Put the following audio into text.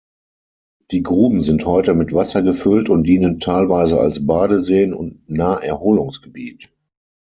Die Gruben sind heute mit Wasser gefüllt und dienen teilweise als Badeseen und Naherholungsgebiet.